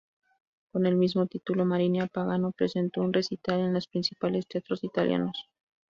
Con el mismo título, Marina Pagano presentó un recital en los principales teatros italianos.